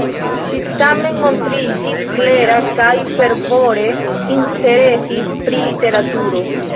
Ŝi tamen montriĝis klera kaj fervore interesis pri literaturo.